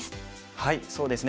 はいそうですね。